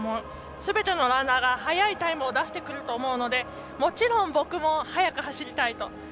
すべてのランナーが速いタイムを出してくると思うのでもちろん、僕も速く走りたいと。